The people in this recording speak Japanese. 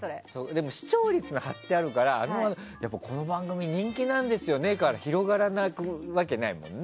でも視聴率が貼ってあるからこの番組人気なんですよねから広がらないわけないですよね。